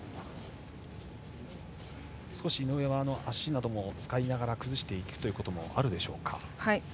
井上は足なども使いながら崩していくということもあるでしょうか。